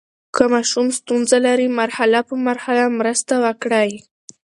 که ماشوم ستونزه لري، مرحله په مرحله مرسته وکړئ.